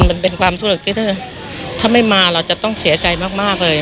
มันเป็นความรู้สึกที่ถ้าไม่มาเราจะต้องเสียใจมากเลย